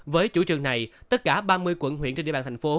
với chủ trường này tất cả ba mươi quận huyện trên địa bàn thành phố